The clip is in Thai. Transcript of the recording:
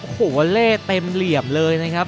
โอ้โหเล่เต็มเหลี่ยมเลยนะครับ